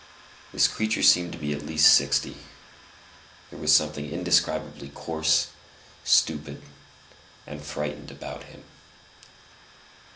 This creature seemed to be at least sixty; there was something indescribably coarse, stupid, and frightened about him.